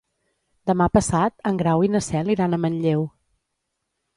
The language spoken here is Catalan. Demà passat en Grau i na Cel iran a Manlleu.